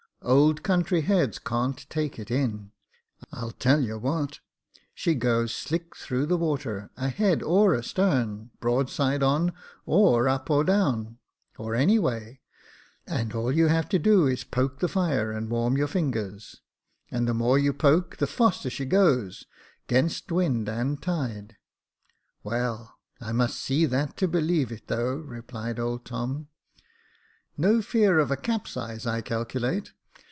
" Old country heads can't take it in. I'll tell you what — she goes slick through the water, a head or a starn, broadside on, or up or down, or any way ; and all you have to do is to poke the fire and warm your fingers ; and the more you poke, the faster she goes, 'gainst wind and tide." " Well, I must see that, to believe it though," replied old Tom. " No fear of a capsize, I calculate.